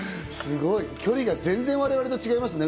距離が全然、我々と違いますね。